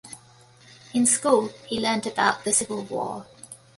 In school, he learned about the Civil War.